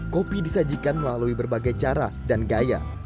kopi arabica menjadi kekuatan yang sangat menarik dan juga kekuatan yang sangat menarik